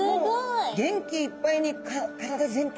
もう元気いっぱいに体全体を。